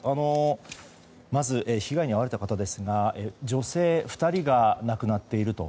まず被害に遭われた方ですが女性２人が亡くなっていると。